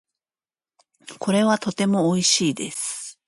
これはとても美味しいです。